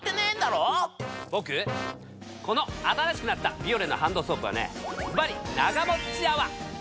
ボクこの新しくなったビオレのハンドソープはねズバリながもっち泡！